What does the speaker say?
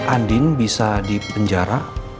andin bisa di penjara